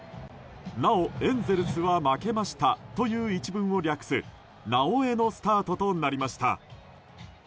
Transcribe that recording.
なおエンゼルスは負けましたという一文を略す「なおエ」のスタートとなりました。